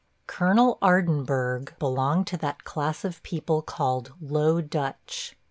Colonel Ardinburgh belonged to that class of people called Low Dutch.